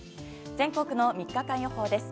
全国の３日間予報です。